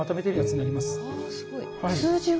あすごい。